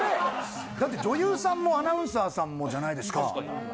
だって女優さんもアナウンサーさんもじゃないですか。